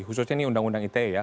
khususnya ini undang undang ite ya